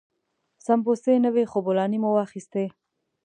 سمبوسې نه وې خو بولاني مو واخيستې.